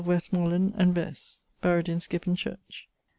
Westmorland and Vesse. Buried in | Skippon Church.